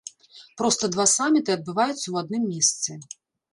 Проста два саміты адбываюцца ў адным месцы.